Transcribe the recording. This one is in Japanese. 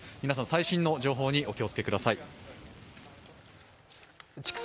皆さん、最新の情報にお気をつけください。